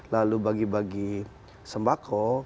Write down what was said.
lalu bagi bagi sembako